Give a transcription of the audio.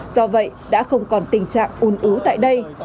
do vậy đã không còn tình trạng un ứ tại đây